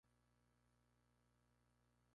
Su ornamento de proa está expuesto en Dresden.